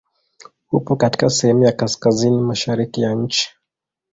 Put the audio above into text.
Upo katika sehemu ya kaskazini mashariki ya nchi.